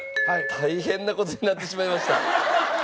大変な事になってしまいました。